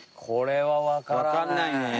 これはわからないね。